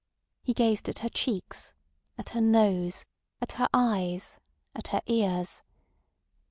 He gazed at her cheeks, at her nose, at her eyes, at her ears.